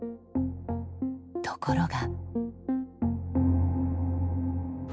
ところが。